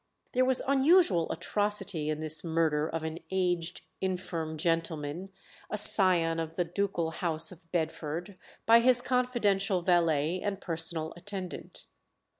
There was unusual atrocity in this murder of an aged, infirm gentleman, a scion of the ducal house of Bedford, by his confidential valet and personal attendant.